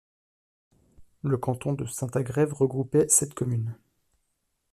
Le canton de Saint-Agrève regroupait sept communes.